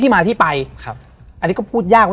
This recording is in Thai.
ที่วันนี้มาเล่าเรื่องนี้ให้พวกเราได้ฟังกัน